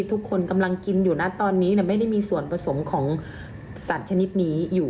ทุกคนกำลังกินอยู่นะตอนนี้ไม่ได้มีส่วนผสมของสัตว์ชนิดนี้อยู่